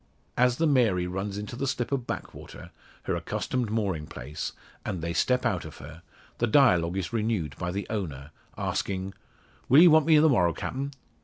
As the Mary runs into the slip of backwater her accustomed mooring place and they step out of her, the dialogue is renewed by the owner asking "Will ye want me the morrow, Captain?"